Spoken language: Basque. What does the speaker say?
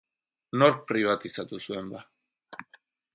Nork pribatizatu zuen, ba?